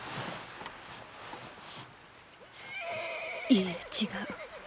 いいえ違う。